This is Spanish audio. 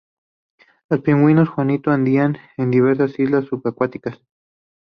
Los pingüinos juanito anidan en diversas islas subantárticas.